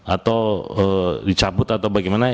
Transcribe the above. atau dicabut atau bagaimana